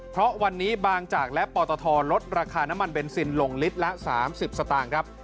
เพราะวันนี้บางจากและปตทลดราคาน้ำมันเบนซินลงลิตรละ๓๐สตางค์ครับ